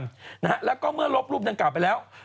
นะฮะแล้วก็เมื่อลบรูปดังกล่าวไปแล้ว